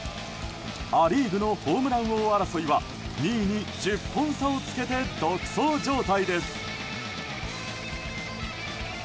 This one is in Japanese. ア・リーグのホームラン王争いは２位に１０本差をつけて独走状態です。